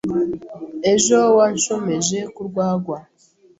ejo wanshomeje ku rwagwa